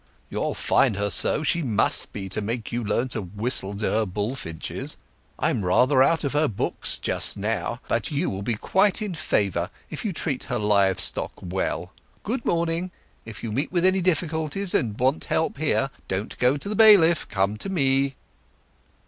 "You'll find her so; she must be, to make you learn to whistle to her bullfinches. I am rather out of her books just now, but you will be quite in favour if you treat her live stock well. Good morning. If you meet with any difficulties and want help here, don't go to the bailiff, come to me."